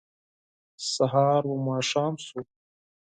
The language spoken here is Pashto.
سهار و ماښام شو